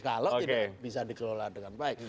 kalau tidak bisa dikelola dengan baik